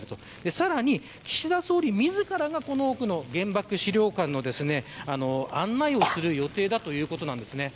さらに岸田総理自らがこの原爆資料館の案内をする予定だということです。